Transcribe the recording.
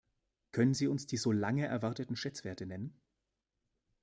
Könnten Sie uns die so lange erwarteten Schätzwerte nennen?